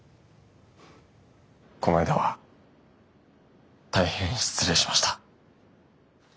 この間は大変失礼しました。